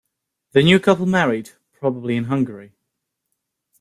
The new couple married, probably in Hungary.